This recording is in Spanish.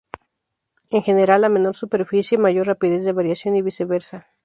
En general, a menor superficie, mayor rapidez de variación y viceversa.